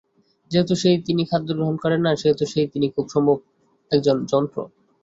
যেহেতু সেই তিনি খাদ্য গ্রহণ করেন না সেহেতু সেই তিনি খুব সম্ভব একজন যন্ত্র।